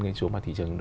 cái chúa mà thị trường